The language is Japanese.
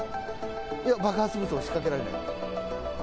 いや、爆発物を仕掛けられないように。